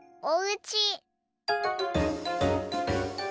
おうち。